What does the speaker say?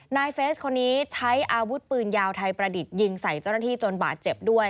เฟสคนนี้ใช้อาวุธปืนยาวไทยประดิษฐ์ยิงใส่เจ้าหน้าที่จนบาดเจ็บด้วย